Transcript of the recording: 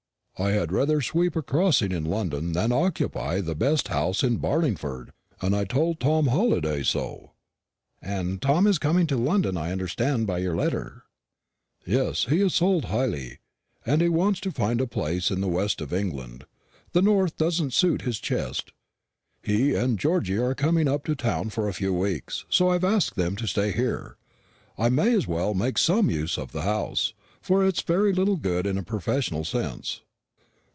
I had rather sweep a crossing in London than occupy the best house in Barlingford, and I told Tom Halliday so." "And Tom is coming to London I understand by your letter." "Yes, he has sold Hyley, and wants to find a place in the west of England. The north doesn't suit his chest. He and Georgy are coming up to town for a few weeks, so I've asked them to stay here. I may as well make some use of the house, for it's very little good in a professional sense."